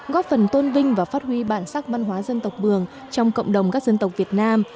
góp phần tôn vinh và phát huy bản sắc văn hóa dân tộc mường trong cộng đồng các dân tộc việt nam